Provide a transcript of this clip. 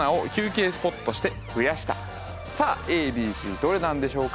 さあＡＢＣどれなんでしょうか？